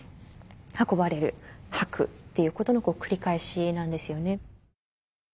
運ばれる吐くっていうことの繰り返しなんですよね。